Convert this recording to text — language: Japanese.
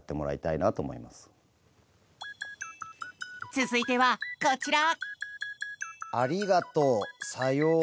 続いてはこちら。